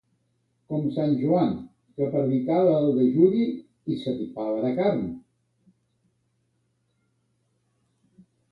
Com sant Joan, que predicava el dejuni i s'atipava de carn.